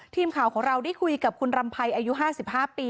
ทีมข่าวของเราได้คุยกับคุณรำไพรอายุ๕๕ปี